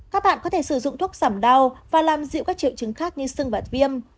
các bạn có thể sử dụng thuốc giảm đau và làm dịu các triệu chứng khác như xương bạt viêm